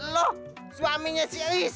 lo suaminya si ois